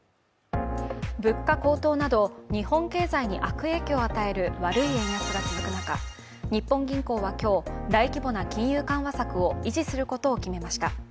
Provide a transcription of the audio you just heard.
物価高騰など日本経済に悪影響を与える悪い円安が続く中、日本銀行は今日大規模な金融緩和策を維持することを決めました。